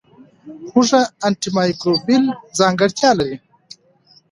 هوږه انټي مایکروبیل ځانګړتیا لري.